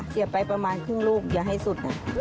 เสียไปประมาณครึ่งลูกอย่าให้สุด